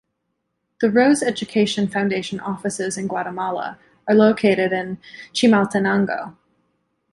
The Rose Education Foundation offices in Guatemala are located in Chimaltenango.